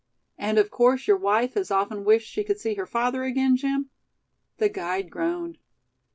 "And of course your wife has often wished she could see her father again, Jim?" The guide groaned.